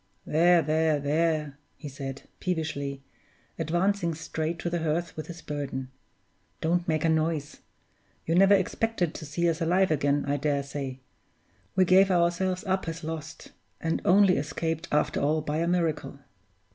"There, there, there!" he said, peevishly, advancing straight to the hearth with his burden; "don't make a noise. You never expected to see us alive again, I dare say. We gave ourselves up as lost, and only escaped after all by a miracle."